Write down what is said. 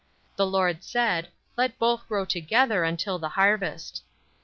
The Lord said, "Let both grow together until the harvest."